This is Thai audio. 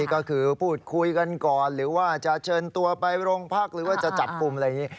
ก็คือพูดคุยกันก่อนหรือว่าจะเชิญตัวไปโรงพักหรือว่าจะจับกลุ่มอะไรอย่างนี้